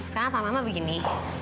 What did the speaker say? kenapa mama begini